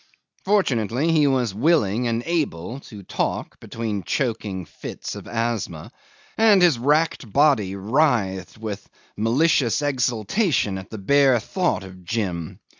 Fortunately he was willing and able to talk between the choking fits of asthma, and his racked body writhed with malicious exultation at the bare thought of Jim.